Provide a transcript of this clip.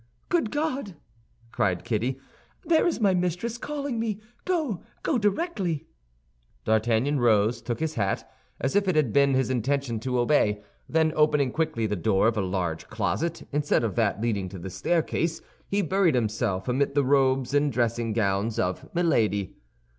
"Good God," cried Kitty, "there is my mistress calling me! Go; go directly!" D'Artagnan rose, took his hat, as if it had been his intention to obey, then, opening quickly the door of a large closet instead of that leading to the staircase, he buried himself amid the robes and dressing gowns of Milady.